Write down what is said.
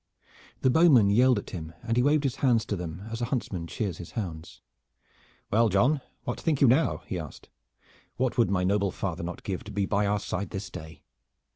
The bowmen yelled at him, and he waved his hands to them as a huntsman cheers his hounds. "Well, John, what think you now?" he asked. "What would my noble father not give to be by our side this day?